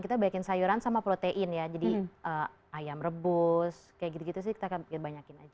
kita baikin sayuran sama protein ya jadi ayam rebus kayak gitu gitu sih kita akan banyakin aja